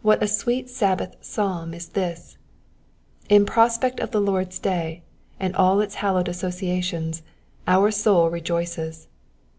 What a sweet Sabbath psalm is this ! In prospect of the Lord's day, and all its hallowed associa tions, our soul rejoices.